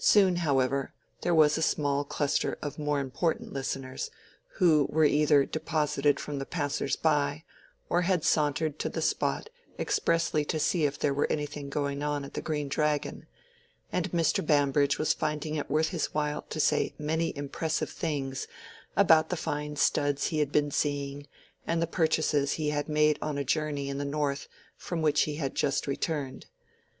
Soon, however, there was a small cluster of more important listeners, who were either deposited from the passers by, or had sauntered to the spot expressly to see if there were anything going on at the Green Dragon; and Mr. Bambridge was finding it worth his while to say many impressive things about the fine studs he had been seeing and the purchases he had made on a journey in the north from which he had just returned.